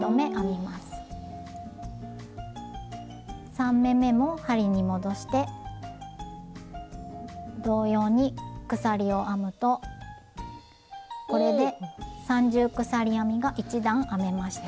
３目めも針に戻して同様に鎖を編むとこれで三重鎖編みが１段編めました。